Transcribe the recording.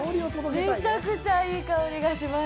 めちゃくちゃいい香りがします。